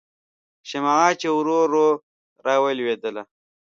شمعه چې ورو ورو راویلېدله